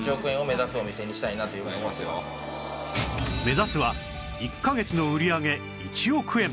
目指すは１カ月の売り上げ１億円